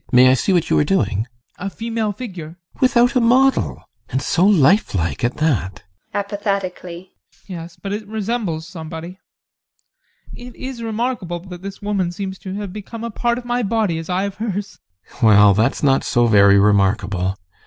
May I see what you are doing? ADOLPH. A female figure. GUSTAV. Without a model? And so lifelike at that! ADOLPH. [Apathetically] Yes, but it resembles somebody. It is remarkable that this woman seems to have become a part of my body as I of hers. GUSTAV. Well, that's not so very remarkable.